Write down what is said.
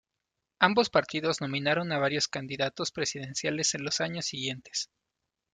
Ambos partidos nominaron a varios candidatos presidenciales en los años siguientes.